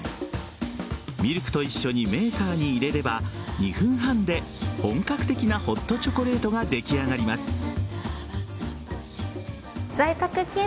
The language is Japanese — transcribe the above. ミルクと一緒にメーカーに入れれば２分半で本格的なホットチョコレートが出来上がります。